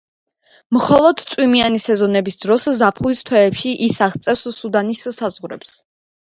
მხოლოდ წვიმიანი სეზონების დროს ზაფხულის თვეებში ის აღწევს სუდანის საზღვრებს.